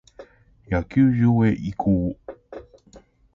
野球場へ移行。